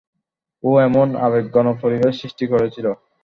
ও এমন আবেগঘন পরিবেশ সৃষ্টি করেছিল।